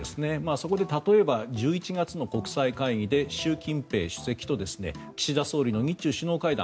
そこで例えば１１月の国際会議で習近平主席と岸田総理の日中首脳会談